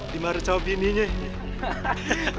di maru cowok bininya ya